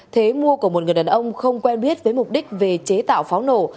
thế mua của một người đàn ông không quen biết với mục đích về chế tạo pháo nổ